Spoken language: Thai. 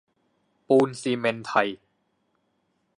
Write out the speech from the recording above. ปูนซิเมนต์ไทย